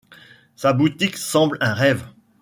Sa boutique semble un rêve